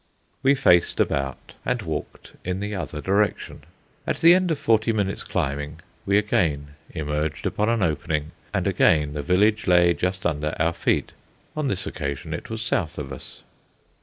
We faced about, and walked in the other direction. At the end of forty minutes' climbing we again emerged upon an opening, and again the village lay just under our feet. On this occasion it was south of us.